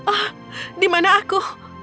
ah ah di mana aku